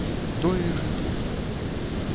Тое ж і тут.